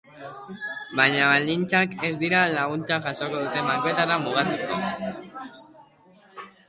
Baina baldintzak ez dira laguntza jasoko duten bankuetara mugatuko.